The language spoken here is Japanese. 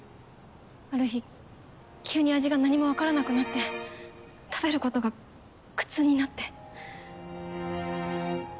ある日急に味が何もわからなくなって食べることが苦痛になって。